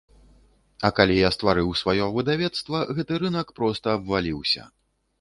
А калі я стварыў сваё выдавецтва, гэты рынак проста абваліўся.